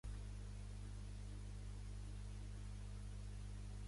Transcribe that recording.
Xiphactinus un gènere de grans peixos teleostis que van viure durant el període Cretaci